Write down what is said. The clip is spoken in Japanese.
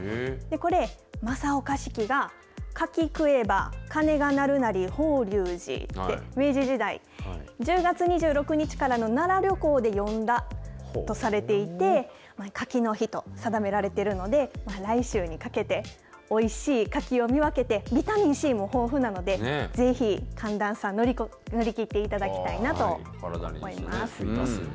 これ、正岡子規が、柿くへば鐘が鳴るなり法隆寺って、明治時代、１０月２６日からの奈良旅行で詠んだとされていて、柿の日と定められているので、来週にかけて、おいしい柿を見分けて、ビタミンＣも豊富なので、ぜひ、寒暖差乗り切っていただきたいなと思います。